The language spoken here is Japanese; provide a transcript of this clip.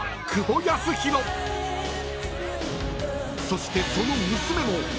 ［そしてその娘も］